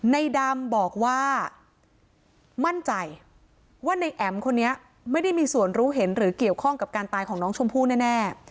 ในดำบอกว่ามั่นใจว่าในแอ๋มคนนี้ไม่ได้มีส่วนรู้เห็นหรือเกี่ยวข้องกับการตายของน้องชมพู่แน่